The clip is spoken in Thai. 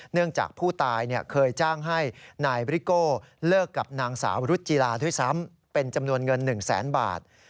เนื่องจากผู้ตายเนี่ยเคยจ้างให้นายริโก้เลิกกับนางสาวรุธจีลาด้วยซ้ำเป็นจำนวนเงินหนึ่งแสนบาท